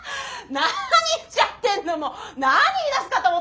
何言っちゃってんのもう。